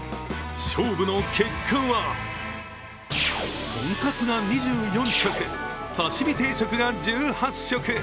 勝負の結果はとんかつが２４食、刺身定食が１８食。